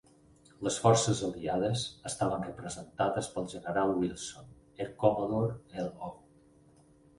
Les forces aliades estaven representades pel General Wilson, Air Commodore L. O.